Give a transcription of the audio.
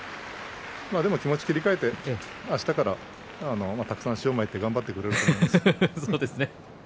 でも気持ちを切り替えてあしたからまた、たくさん塩をまいて頑張ってくれると思います。